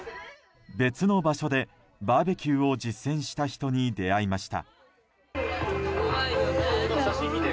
別の場所でバーベキューを実践した人に出会いました。